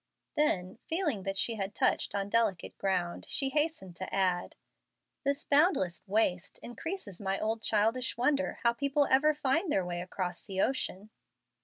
Then, feeling that she had touched on delicate ground, she hastened to add, "This boundless waste increases my old childish wonder how people ever find their way across the ocean."